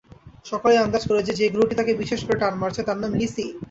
সকলেই আন্দাজ করে, যে গ্রহটি তাকে বিশেষ করে টান মারছে তার নাম লিসি।